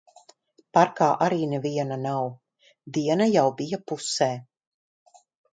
Parkā arī neviena nav. Diena jau bija pusē.